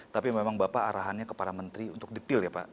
tapi memang bapak arahannya kepada menteri untuk detail ya pak